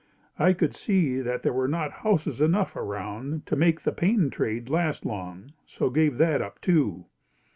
I could see that there were not houses enough around to make the paintin' trade last long so gave that up too.